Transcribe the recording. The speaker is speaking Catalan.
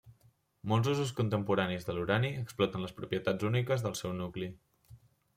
Molts usos contemporanis de l'urani exploten les propietats úniques del seu nucli.